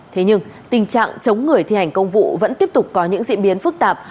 thế nhưng tình trạng chống người thi hành công vụ vẫn tiếp tục có những diễn biến phức tạp